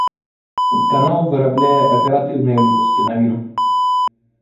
Канал вырабляе аператыўныя выпускі навін.